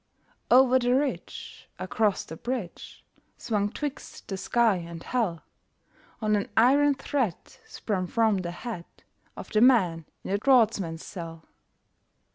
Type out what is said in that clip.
Over the ridge, Across the bridge, Swung twixt the sky and hell, On an iron thread Spun from the head Of the man in a draughtsman's cell.